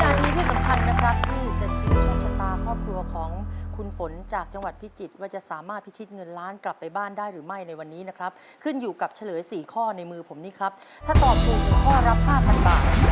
นี้คือช่วงชะตาครอบครัวของคุณฝนจากจังหวัดพิจิตรว่าจะสามารถพิชิตเงินล้านกลับไปบ้านได้หรือไม่ในวันนี้นะครับขึ้นอยู่กับเฉลย๔ข้อในมือผมนี้ครับถ้าตอบถูกคือข้อรับ๕๐๐๐บาท